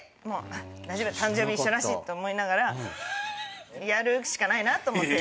大丈夫誕生日一緒だしって思いながらやるしかないなって思って。